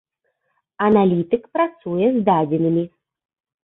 Аналітык працуе з дадзенымі.